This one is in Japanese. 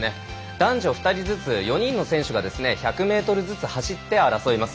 男女２人ずつ４人の選手が１００ｍずつ走って争います。